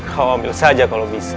kalau ambil saja kalau bisa